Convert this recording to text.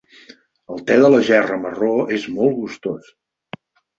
El té de la gerra marró es molt gustós.